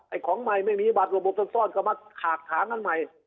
ของใหม่ไม่มีบัตรระบบซ่อนก็มาขากถางกันใหม่